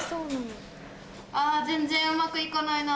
あ全然うまく行かないな。